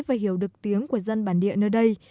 và hiểu được tiếng của dân bản địa nơi đây